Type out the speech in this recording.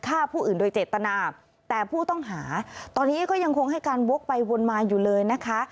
ฆ่าผู้อื่นโดยเจตนาแต่ผู้ต้องหาตอนนี้ก็ยังคงให้การวกไปวนมาอยู่เลยนะคะ